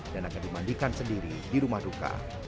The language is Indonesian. dan akan dimandikan sendiri di rumah duka